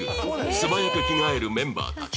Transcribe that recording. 素早く着替えるメンバーたち